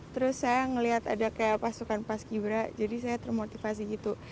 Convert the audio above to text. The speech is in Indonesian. terus saya melihat ada pasukan paskibra jadi saya termotivasi gitu